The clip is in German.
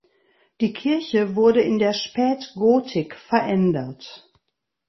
Die Kirche wurde in der Spätgotik verändert.